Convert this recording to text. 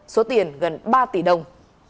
số tiền gần ba tỷ đồng